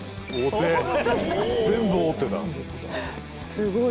すごい。